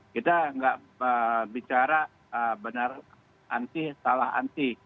kita nggak bicara benar anti salah anti